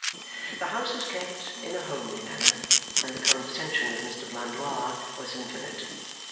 The house was kept in a homely manner, and the condescension of Mr Blandois was infinite.